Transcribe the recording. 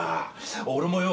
俺もよ